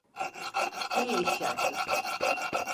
İyi iş yaptın.